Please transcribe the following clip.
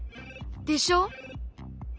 でしょ？